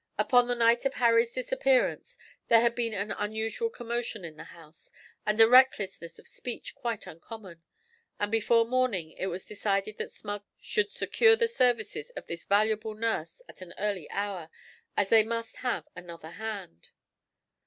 Upon the night of Harry's disappearance there had been an unusual commotion in the house, and a recklessness of speech quite uncommon; and before morning it was decided that Smug should secure the services of this valuable nurse at an early hour, as they must have 'another hand.'